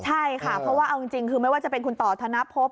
ใช่ค่ะเพราะว่าเอาจริงคือไม่ว่าจะเป็นคุณต่อธนภพ